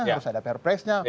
harus ada pr pres nya